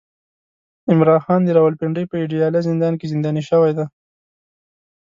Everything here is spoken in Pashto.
عمران خان د راولپنډۍ په اډياله زندان کې زنداني شوی دی